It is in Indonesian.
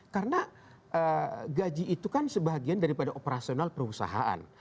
karena gaji itu kan sebagian daripada operasional perusahaan